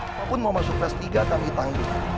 walaupun mau masuk ke s tiga tapi tanggung